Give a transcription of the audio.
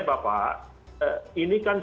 bapak ini kan